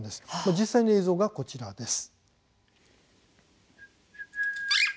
実際の映像がこちらです。